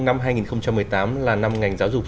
năm hai nghìn một mươi tám là năm ngành giáo dục